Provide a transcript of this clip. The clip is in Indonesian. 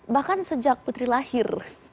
bahkan sejak putri lahir